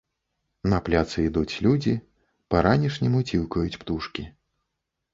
На пляцы ідуць людзі, па-ранішняму ціўкаюць птушкі.